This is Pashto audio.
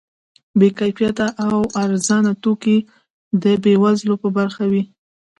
بې کیفیته او ارزانه توکي د بې وزلو په برخه وي.